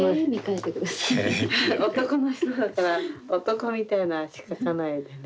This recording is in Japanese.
男の人だから男みたいな足描かないでね。